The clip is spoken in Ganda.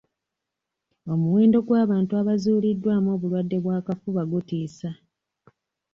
Omuwendo gw'abantu abazuuliddwamu obulwadde bw'akafuba gutiisa.